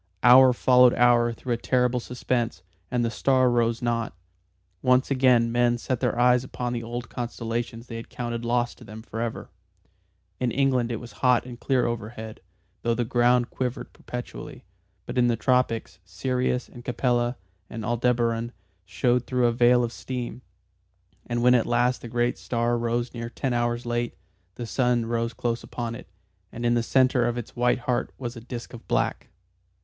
Hour followed hour through a terrible suspense, and the star rose not. Once again men set their eyes upon the old constellations they had counted lost to them forever. In England it was hot and clear overhead, though the ground quivered perpetually, but in the tropics, Sirius and Capella and Aldebaran showed through a veil of steam. And when at last the great star rose near ten hours late, the sun rose close upon it, and in the centre of its white heart was a disc of black.